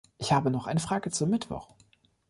Ich habe noch eine Frage zum Mittwoch.